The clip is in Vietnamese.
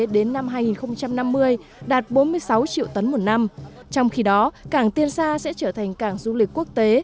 đến năm hai nghìn năm mươi đạt bốn mươi sáu triệu tấn một năm trong khi đó cảng tiên sa sẽ trở thành cảng du lịch quốc tế